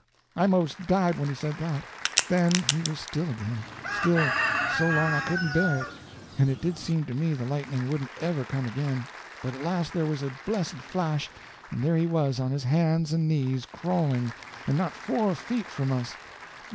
_" I 'most died when he said that. Then he was still again—still so long I couldn't bear it, and it did seem to me the lightning wouldn't ever come again. But at last there was a blessed flash, and there he was, on his hands and knees crawling, and not four feet from us.